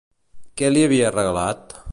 Què li havia regalat?